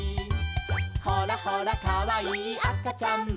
「ほらほらかわいいあかちゃんも」